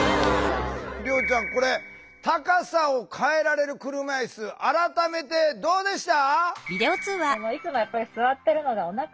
涼ちゃんこれ高さを変えられる車いす改めてどうでした？